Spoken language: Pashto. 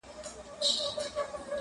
د وطن هر تن ته مي کور، کالي، ډوډۍ غواړمه